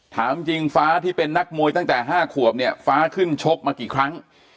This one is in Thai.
ถามจริงฟ้าที่เป็นนักมวยตั้งแต่๕ขวบเนี่ยฟ้าขึ้นชกมากี่ครั้ง